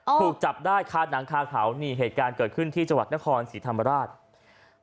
ถูกจับได้คาหนังคาเขานี่เหตุการณ์เกิดขึ้นที่จังหวัดนครศรีธรรมราช